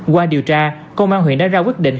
qua điều tra công an huyện đã ra quyết định